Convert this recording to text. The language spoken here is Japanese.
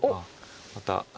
また。